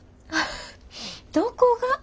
どこが？